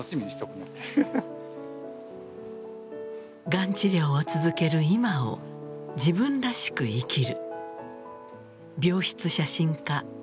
がん治療を続ける今を自分らしく生きる病室写真家ＴＡＫＡさんです。